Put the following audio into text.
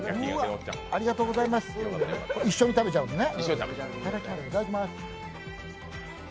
一緒に食べちゃうんですね。